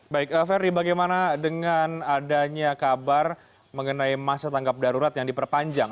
baik ferry bagaimana dengan adanya kabar mengenai masa tanggap darurat yang diperpanjang